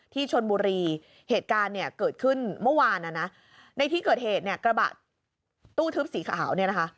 ที่ชนบุรีเหตุการณ์เนี่ยเกิดขึ้นเมื่อวานนะนะในที่เกิดเหตุเนี่ยกระบะตู้ทึบสีขาวเนี่ยนะคะ